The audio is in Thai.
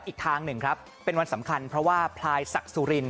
อีกทางหนึ่งครับเป็นวันสำคัญเพราะว่าพลายศักดิ์สุริน